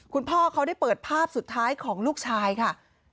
คุณพ่อเขาได้เปิดภาพสุดท้ายของลูกชายค่ะ